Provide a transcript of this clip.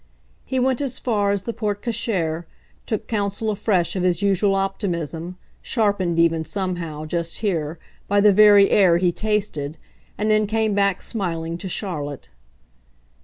He went as far as the porte cochere, took counsel afresh of his usual optimism, sharpened even, somehow, just here, by the very air he tasted, and then came back smiling to Charlotte.